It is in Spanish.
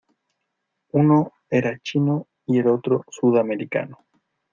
uno era chino y otro sudamericano.